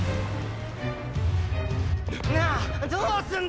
なぁどうすんだ！